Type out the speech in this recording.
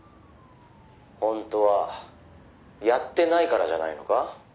「本当はやってないからじゃないのか？」